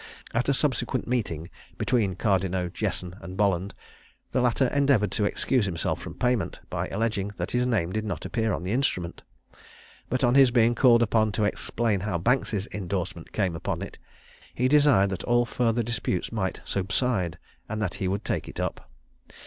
At a subsequent meeting between Cardineaux, Jesson, and Bolland, the latter endeavoured to excuse himself from payment, by alleging that his name did not appear on the instrument; but on his being called upon to explain how Banks's indorsement came upon it, he desired that all further disputes might subside, and that he would take it up.